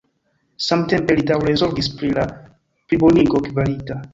Samtempe li daŭre zorgis pri la plibonigo kvalita.